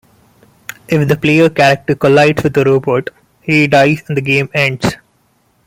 If the player character collides with a robot, he dies and the game ends.